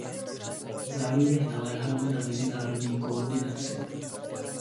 Zároveň naléháme na mezinárodní koordinaci.